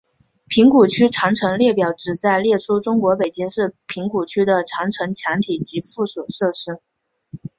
平谷区长城列表旨在列出中国北京市平谷区的长城墙体及附属设施。